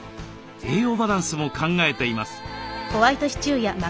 栄養バランスも考えています。